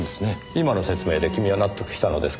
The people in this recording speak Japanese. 今の説明で君は納得したのですか？